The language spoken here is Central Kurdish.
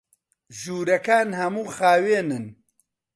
ژوورەکان هەموو خاوێنن.